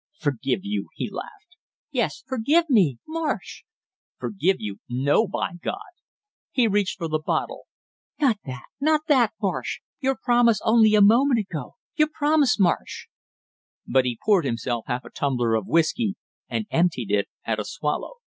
"Forgive you " He laughed. "Yes, forgive me Marsh!" "Forgive you no, by God!" He reached for the bottle. "Not that not that, Marsh; your promise only a moment ago your promise, Marsh!" But he poured himself half a tumbler of whisky and emptied it at a swallow.